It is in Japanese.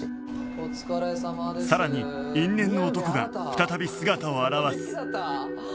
さらに因縁の男が再び姿を現す